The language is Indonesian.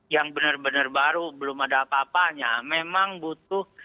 yang benar benar baru belum ada apa apanya memang butuh